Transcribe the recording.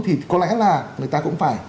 thì có lẽ là người ta cũng phải